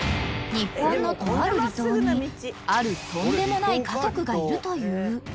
［日本のとある離島にあるとんでもない家族がいるという］